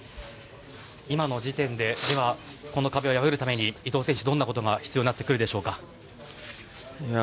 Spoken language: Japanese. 今の時点でこの壁を破るためにどんなことが必要になってくるでしょうか？